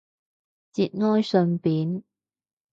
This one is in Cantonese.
節哀順變